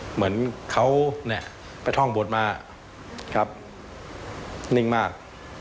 เหมือนเขาเนี่ยไปท่องบทมาครับนิ่งมาก